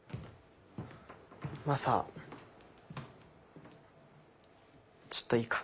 マサちょっといいか？